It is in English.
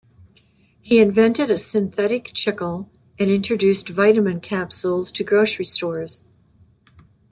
He invented a synthetic chicle and introduced vitamin capsules to grocery stores.